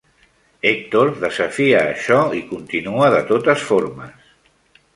Hector desafia això i continua de totes formes.